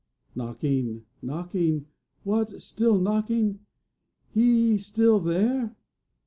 Knocking! knocking! What! still knocking? He still there?